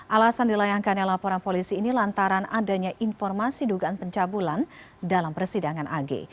alasan dilayangkannya laporan polisi ini lantaran adanya informasi dugaan pencabulan dalam persidangan ag